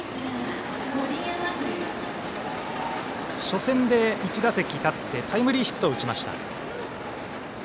初戦で１打席立ってタイムリーヒットを打ちました。